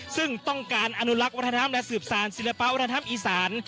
ซึ่งต้องการอนุรักษ์วัฒนธรรมและสืบสารศิลปะวัฒนธรรมอีสาน